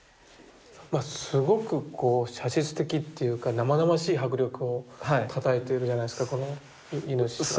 すごくこう写実的っていうか生々しい迫力をたたえてるじゃないですかこれ猪が。